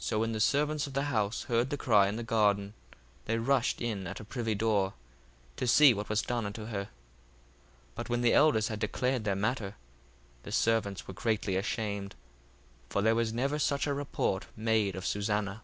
1:26 So when the servants of the house heard the cry in the garden, they rushed in at the privy door, to see what was done unto her. 1:27 But when the elders had declared their matter, the servants were greatly ashamed: for there was never such a report made of Susanna.